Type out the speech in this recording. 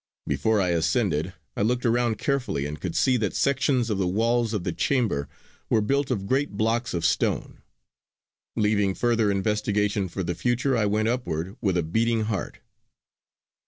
Before I ascended I looked around carefully and could see that sections of the walls of the chamber were built of great blocks of stone. Leaving further investigation for the future I went upward with a beating heart.